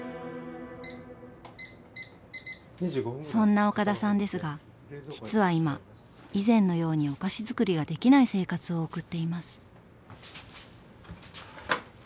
そんな岡田さんですが実は今以前のようにはお菓子づくりができない生活を送っています。